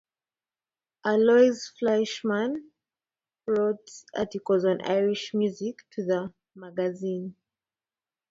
Aloys Fleischmann wrote articles on Irish music to the magazine.